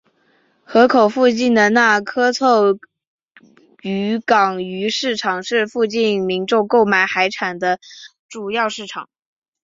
河口附近的那珂凑渔港鱼市场是附近民众购买海产的主要市场。